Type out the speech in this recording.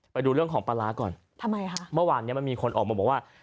ไปดูเรื่องของปลาร้าก่อนทำไมคะเมื่อวานเนี้ยมันมีคนออกมาบอกว่า